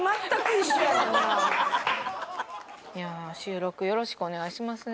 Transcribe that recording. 収録よろしくお願いしますね。